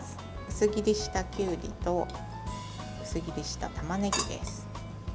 薄切りしたきゅうりと薄切りした、たまねぎです。